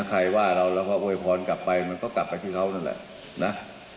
ใครว่าเราแล้วก็โวยพรกลับไปมันก็กลับไปที่เขานั่นแหละนะ